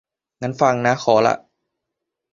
งั้นฟังนะ ขอล่ะ